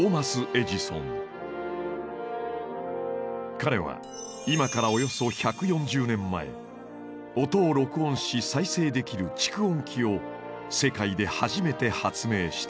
彼は今からおよそ１４０年前音を録音し再生できる蓄音機を世界で初めて発明した。